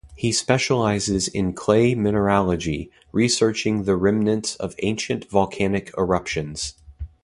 He specializes in clay mineralogy, researching the remnants of ancient volcanic eruptions.